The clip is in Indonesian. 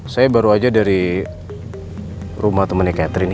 saya baru aja dari rumah temennya catherine nih